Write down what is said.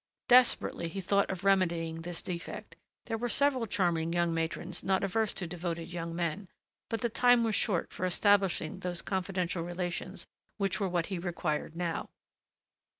Desperately he thought of remedying this defect. There were several charming young matrons not averse to devoted young men, but the time was short for establishing those confidential relations which were what he required now.